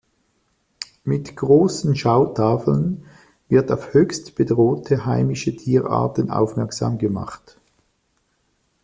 Mit großen Schautafeln wird auf höchst bedrohte heimische Tierarten aufmerksam gemacht.